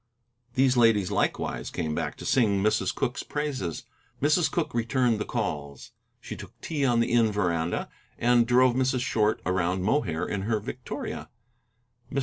These ladies likewise came back to sing Mrs. Cooke's praises. Mrs. Cooke returned the calls. She took tea on the inn veranda, and drove Mrs. Short around Mohair in her victoria. Mr.